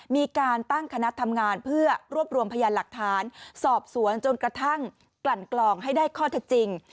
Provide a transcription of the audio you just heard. มีการตั้งคณะทำงานเพื่อรวบรวมพยานหลักฐานสอบสวนจนกระทั่งกลั่นกลองให้ได้ข้อเท็จจริง